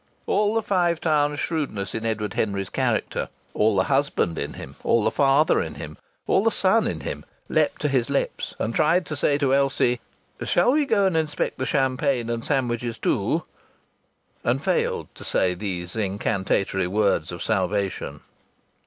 All the Five Towns' shrewdness in Edward Henry's character, all the husband in him, all the father in him, all the son in him, leapt to his lips, and tried to say to Elsie: "Shall we go and inspect the champagne and sandwiches, too?" And failed to say these incantatory words of salvation!